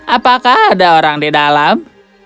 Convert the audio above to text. apakah ada orang di dalam